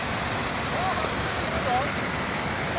さあ走んなきゃいけねえぞ！